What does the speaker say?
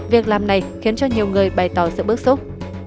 việc làm này khiến cho nhiều người bày tỏ sự bức xúc